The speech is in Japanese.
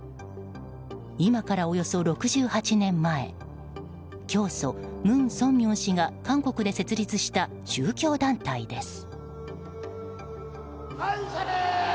今からおよそ６８年前教祖・文鮮明氏が韓国で設立した宗教団体です。